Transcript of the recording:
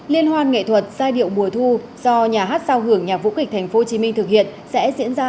liên hoan nghệ thuật giai điệu mùa thu do nhà hát sao hưởng nhà vũ kịch tp hcm thực hiện sẽ diễn ra